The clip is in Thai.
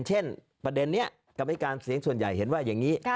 เช่นประเด็นนี้กรรมธิการเสียงส่วนใหญ่เห็นว่าอย่างนี้